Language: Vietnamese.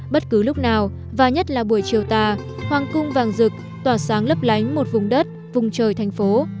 bất cứ lúc nào và nhất là buổi chiều tà hoàng cung vàng rực tỏa sáng lấp lánh một vùng đất vùng trời thành phố